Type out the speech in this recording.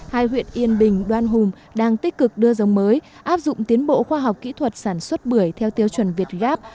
hai huyện yên bình đoan hùng đang tích cực đưa dòng mới áp dụng tiến bộ khoa học kỹ thuật sản xuất bưởi theo tiêu chuẩn việt gáp